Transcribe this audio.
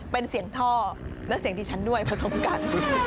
เป็นเสียงท่อและเสียงดิฉันด้วยผสมกัน